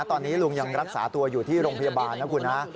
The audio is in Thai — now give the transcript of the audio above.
ตอนนี้ลุงยังรักษาตัวอยู่ที่โรงพยาบาลนะคุณฮะ